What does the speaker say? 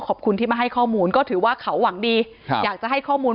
ขอบคุณที่มาให้ข้อมูลก็ถือว่าเขาหวังดีครับอยากจะให้ข้อมูล